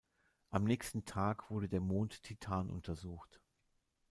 Am nächsten Tag wurde der Mond Titan untersucht.